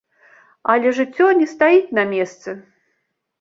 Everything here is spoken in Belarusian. Але жыццё не стаіць на месцы.